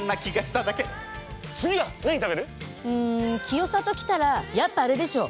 清里来たらやっぱあれでしょ。